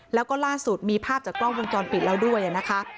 แล้วก็ล่าสุดมีภาพจากกล้องวงจรปิดแล้วด้วยนะคะ